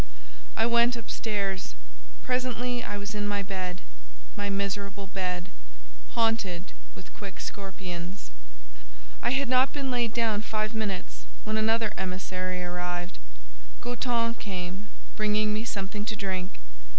I went up stairs. Presently I was in my bed—my miserable bed—haunted with quick scorpions. I had not been laid down five minutes, when another emissary arrived: Goton came, bringing me something to drink.